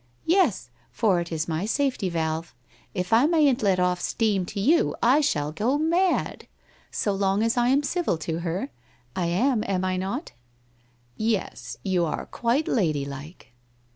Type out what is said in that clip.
1 Yes, for it is my safety valve. If I mayn't let off steam to you I shall go mad. So long as I am civil to her — I am, am I not? ' 'Yes, you are quite ladylike.'